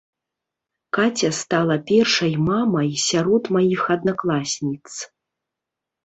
Каця стала першай мамай сярод маіх аднакласніц.